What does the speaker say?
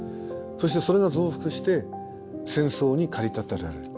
そしてそれが増幅して戦争に駆り立てられる。